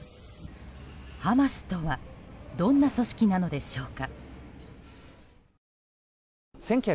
ハマスとはどんな組織なのでしょうか。